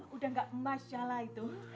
udah gak masalah itu